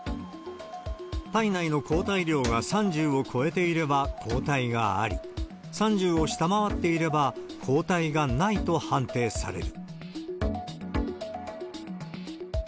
体内の抗体量が３０を超えていれば抗体があり、３０を下回っていれば抗体がないと判定される。